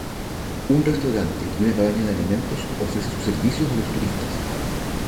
Un restaurante y una cabaña de alimentos ofrecen sus servicios a los turistas.